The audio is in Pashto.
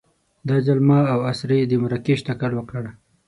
دا ځل ما او اسرې د مراکش تکل وکړ.